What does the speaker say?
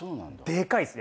でかいです